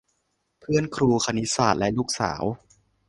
เพื่อนครูคณิตศาสตร์และลูกสาว